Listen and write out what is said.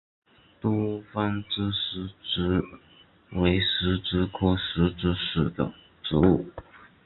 多分枝石竹为石竹科石竹属的植物。